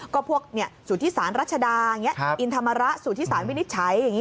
ก็พวกสูตรศาสตร์รัชดาอินทรมาระสูตรศาสตร์วินิจฉัย